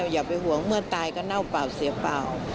อย่าไปห่วงเมื่อตายก็เน่าเปล่าเสียเปล่า